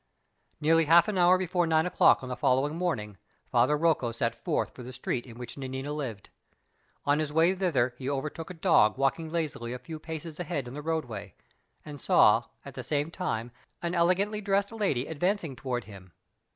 Nearly half an hour before nine o'clock on the following morning, Father Rocco set forth for the street in which Nanina lived. On his way thither he overtook a dog walking lazily a few paces ahead in the roadway; and saw, at the same time, an elegantly dressed lady advancing toward him.